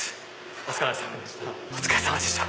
お疲れさまでした。